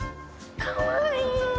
かわいい！